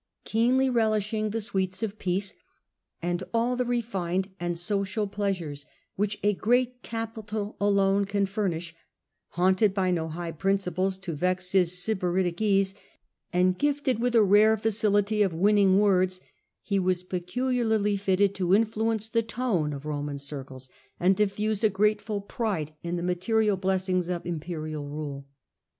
Keenly relishing the sweets of peace and all Influenced the refined and social pleasures which a Rom^* great capital alone can furnish, haunted by circles no high principles to vex his Sybaritic ease, and gifted with a rare facility of winning words, he was peculiarly fitted to influence the tone of Roman circles and diffuse a grateful pride in the material blessings of imperial rule.